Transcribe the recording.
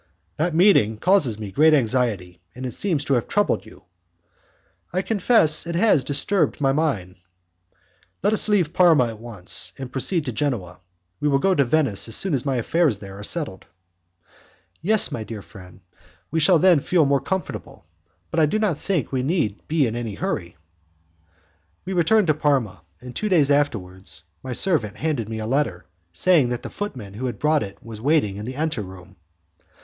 "That meeting causes me great anxiety, and it seems to have troubled you." "I confess it has disturbed my mind." "Let us leave Parma at once and proceed to Genoa. We will go to Venice as soon as my affairs there are settled." "Yes, my dear friend, we shall then feel more comfortable. But I do not think we need be in any hurry." We returned to Parma, and two days afterwards my servant handed me a letter, saying that the footman who had brought it was waiting in the ante room.